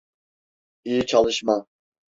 İyi çalışma.